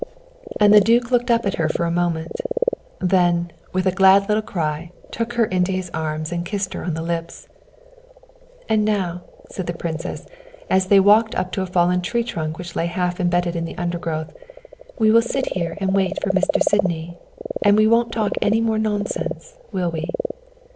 And the duke looked at her for a moment then, with a glad little cry, took her into his arms and kissed her on the lips. "And now," said the princess as they walked up to a fallen tree trunk which lay half embedded in the undergrowth, "we will sit here and wait for Mr. Sydney and we won't talk any more nonsense, will we?"